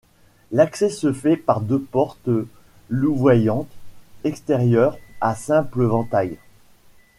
L’accès se fait par deux portes louvoyantes extérieures à simple vantail.